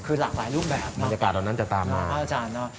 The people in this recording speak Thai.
คือหลากหลายรูปแบบเนอะพระอาจารย์เนอะบรรยากาศเหล่านั้นจะตามมา